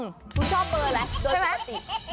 คุณชอบเบอร์แหละโดยสิทธิ